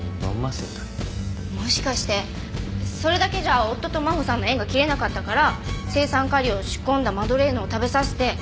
もしかしてそれだけじゃ夫と真帆さんの縁が切れなかったから青酸カリを仕込んだマドレーヌを食べさせて殺害した。